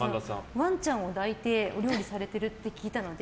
ワンちゃんを抱いてお料理されてるって聞いたので